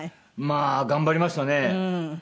まあ頑張りましたね。